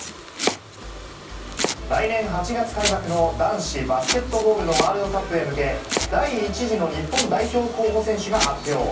来年８月開幕の男子バスケットボールのワールドカップへ向け、第１次の日本代表候補選手が発表。